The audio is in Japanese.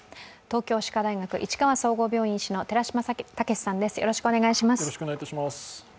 東京歯科大学市川総合病院医師の寺嶋毅さんです。